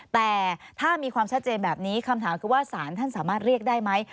แต่ถ้ามีความชัดเจนแบบนี้คำถามคือว่าสารท่านสามารถเรียกได้ไหม